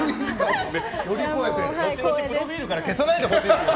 後々、プロフィールから消さないでほしいですね。